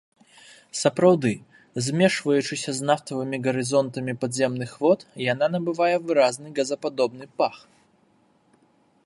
Сапраўды, змешваючыся з нафтавымі гарызонтамі падземных вод, яна набывае выразны газападобны пах.